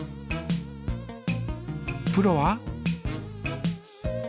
プロは？